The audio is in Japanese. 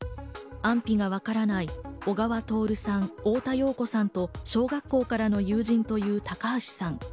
安否がわからない小川徹さん、太田洋子さんと小学校からの友人という高橋さん。